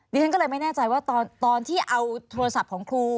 ดิฉันก็เลยไม่แน่ใจว่าตอนที่เอาโทรศัพท์ของครู